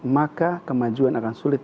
maka kemajuan akan sulit